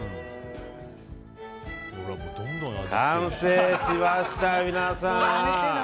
完成しました、皆さん。